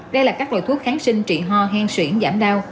đây là các loại thuốc kháng sinh trị ho hen xuyển giảm đau